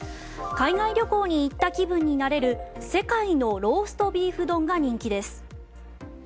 海外旅行に行った気分になれる世界のローストビーフ丼が人気です。